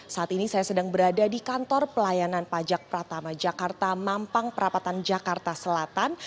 saat ini saya sedang berada di kantor pelayanan pajak pratama jakarta mampang perapatan jakarta selatan